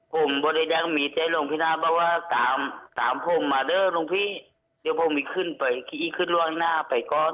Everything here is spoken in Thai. ผมพอได้ยังมีใจหลวงพี่น้าบอกว่าตามผมมาเดินหลวงพี่เดี๋ยวผมอีกขึ้นไปอีกขึ้นล่างหน้าไปก่อน